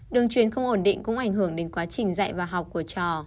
đường truyền không ổn định cũng ảnh hưởng đến quá trình dạy và học của trò